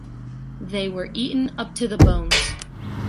They were eaten up to the bones.